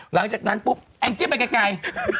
หลังจากนั้นปุ๊บแองจี้ไปไกล